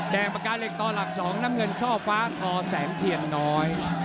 ปากกาเหล็กต่อหลัก๒น้ำเงินช่อฟ้าทอแสงเทียนน้อย